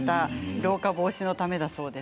老化防止のためだそうです。